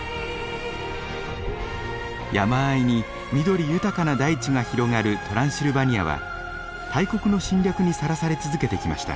山あいに緑豊かな大地が広がるトランシルバニアは大国の侵略にさらされ続けてきました。